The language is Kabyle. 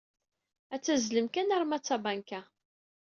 Ad tazzlem kan arma d tabanka.